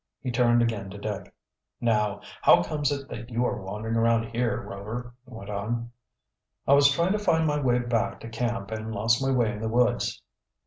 He turned again to Dick. "Now, how comes it that you are wandering around here, Rover?" he went on. "I was trying to find my way back to camp and lost my way in the woods."